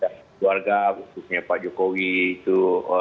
keluarga khususnya pak jokowi itu